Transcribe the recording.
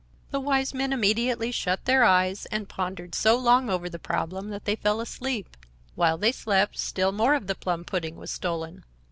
The Wise Men immediately shut their eyes and pondered so long over the problem that they fell fast asleep. While they slept still more of the plum pudding was stolen.